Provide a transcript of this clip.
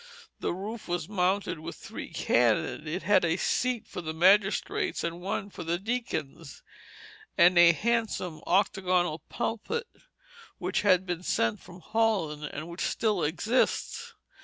The roof was mounted with three cannon. It had a seat for the magistrates and one for the deacons, and a handsome octagonal pulpit which had been sent from Holland, and which still exists.